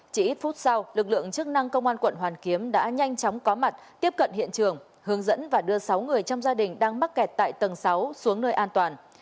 chỉ ít phút sau lực lượng chức năng công an quận hoàn kiếm đã nhanh chóng có mặt tiếp cận hiện trường hướng dẫn và đưa sáu người trong gia đình đang mắc kẹt tại tầng sáu xuống nơi an toàn